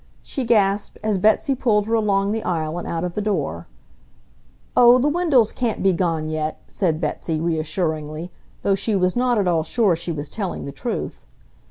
she gasped, as Betsy pulled her along the aisle and out of the door. "Oh, the Wendells can't be gone yet," said Betsy reassuringly, though she was not at all sure she was telling the truth.